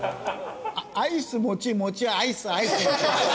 アイスもちもちアイスアイス。